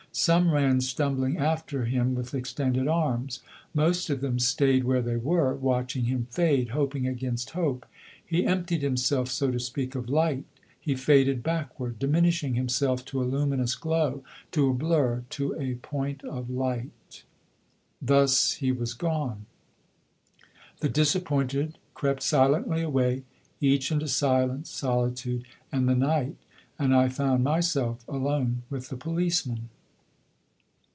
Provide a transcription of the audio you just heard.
Some ran stumbling after him with extended arms; most of them stayed where they were, watching him fade, hoping against hope. He emptied himself, so to speak, of light; he faded backward, diminishing himself to a luminous glow, to a blur, to a point of light. Thus he was gone. The disappointed crept silently away, each into silence, solitude and the night, and I found myself alone with the policeman.